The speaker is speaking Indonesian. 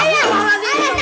minggir minggir minggir